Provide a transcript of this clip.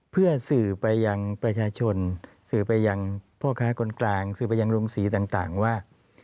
เพื่อสื่อไปยังประชาชนสื่อไปยังพ่อค้าคนกลางสื่อไปยังโรงศรีต่างว่า